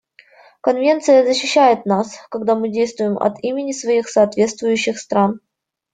Конвенция защищает нас, когда мы действуем от имени своих соответствующих стран.